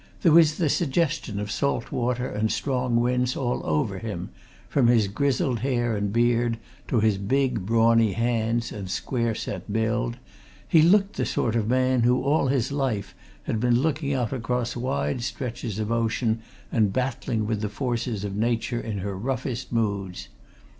There was the suggestion of salt water and strong winds all over him, from his grizzled hair and beard to his big, brawny hands and square set build; he looked the sort of man who all his life had been looking out across wide stretches of ocean and battling with the forces of Nature in her roughest moods.